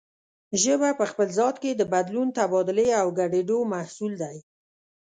ژبه په خپل ذات کې د بدلون، تبادلې او ګډېدو محصول دی